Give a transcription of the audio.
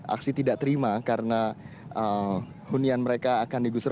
aksi tidak terima karena hunian mereka akan digusur